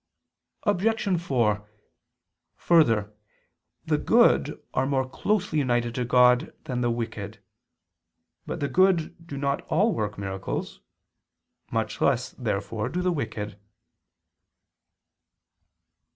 Obj. 4: Further, the good are more closely united to God than the wicked. But the good do not all work miracles. Much less therefore do the wicked.